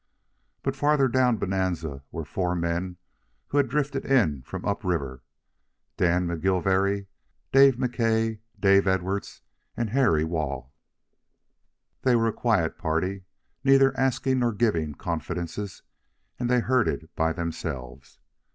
But farther down Bonanza were four men who had drifted in from up river, Dan McGilvary, Dave McKay, Dave Edwards, and Harry Waugh. They were a quiet party, neither asking nor giving confidences, and they herded by themselves.